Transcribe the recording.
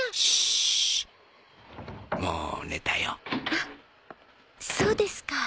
あっそうですか。